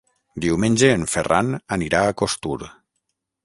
Diumenge en Ferran anirà a Costur.